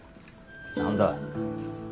何だ？